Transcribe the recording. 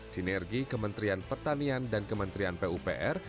sinergi kementerian pertanian dan kementerian pupr